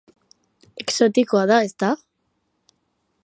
Exotikoa da, ezta?